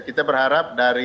kita berharap dari